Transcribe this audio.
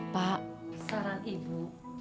pak saran ibu